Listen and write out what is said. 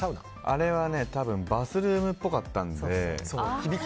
あれはね、多分バスルームっぽかったので。